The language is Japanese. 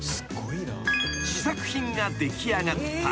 ［試作品が出来上がった］